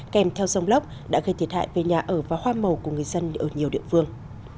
kèm theo dòng lốc đã gây thiệt hại về nhà ở và hoa màu của người dân ở nhiều địa phương